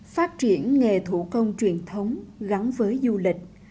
phát triển nghề thủ công truyền thống gắn với du lịch